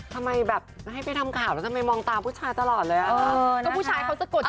ทำไมแบบให้ไปทำข่าวแล้วทำไมมองตาผู้ชายตลอดเลย